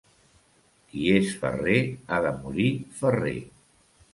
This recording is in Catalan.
Qui és ferrer ha de morir ferrer.